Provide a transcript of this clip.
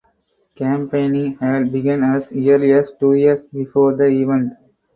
Campaigning had begun as early as two years before the event.